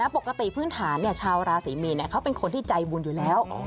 ปกติพื้นฐานชาวราศรีมีนเขาเป็นคนที่ใจบุญอยู่แล้ว